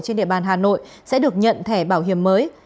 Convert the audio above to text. trên địa bàn hà nội sẽ được nhận thẻ bảo hiểm mới